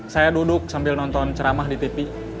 saya duduk sambil nonton ceramah di tv